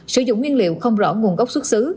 sử dụng nguyên liệu không rõ nguồn gốc xuất xứ